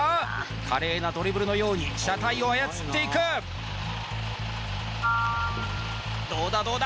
華麗なドリブルのように車体を操っていくどうだどうだ？